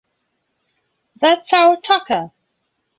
That's our tucker!!!